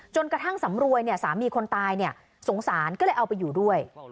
จนกระทั่งสำรวยเนี่ยสามีคนตายเนี่ยสงสารก็เลยเอาไปอยู่ด้วย